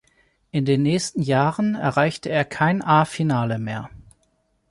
In den nächsten Jahren erreichte er kein A-Finale mehr.